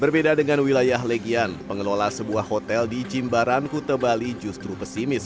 berbeda dengan wilayah legian pengelola sebuah hotel di cimbaran kute bali justru pesimis